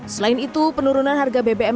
selain itu penurunan harga bbm